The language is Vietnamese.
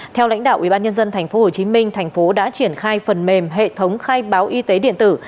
theo lãnh đạo ubnd tp hcm thành phố đã triển khai phần mềm hệ thống khai báo y tế điện tử